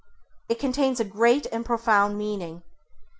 It contains a great and profound meaning.